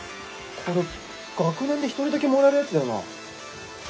これ学年で１人だけもらえるやつだよな？